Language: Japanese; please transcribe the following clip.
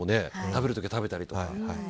食べる時は食べたりとか。